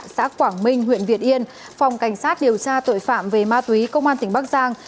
xã quảng minh huyện việt yên phòng cảnh sát điều tra tội phạm về ma túy công an tỉnh bắc giang